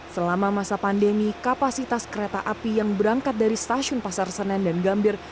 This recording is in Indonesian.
selama masa pandemi kapasitas kereta api yang berangkat dari stasiun pasar senen dan gambir